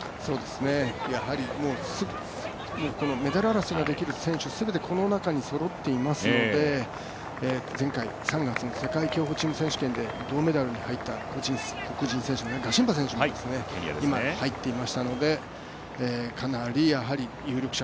もうメダル争いのできる選手、全てこの中にそろっていますので前回３月の世界競歩チーム選手権で銅メダルに入ったガシンバ選手も今、入っていましたのでかなり有力者